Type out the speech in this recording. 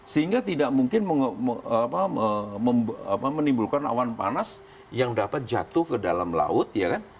sehingga tidak mungkin menimbulkan awan panas yang dapat jatuh ke dalam laut ya kan